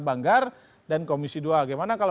banggar dan komisi dua bagaimana kalau